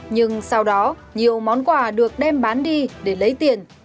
nhưng sau đó nhiều món quà được đem bán đi để lấy tiền